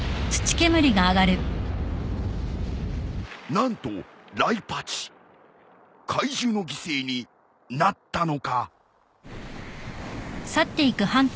何とライパチ怪獣の犠牲になったのか！？